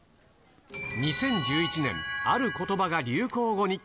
２０１１年、あることばが流行語に。